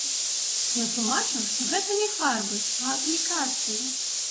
Я тлумачу, што гэта не фарбы, а аплікацыі.